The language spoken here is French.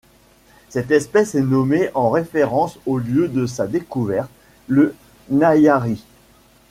Cette espèce est nommée en référence au lieu de sa découverte, le Nayarit.